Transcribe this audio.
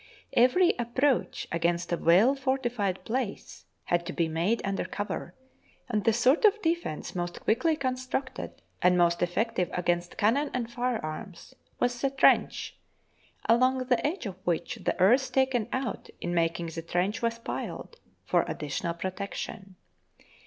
Every approach against a well fortified place had to be made under cover, and the sort of defence most quickly constructed and most effective against cannon and firearms was the trench — along the edge of which the earth taken out in making the trench was piled for additional protection.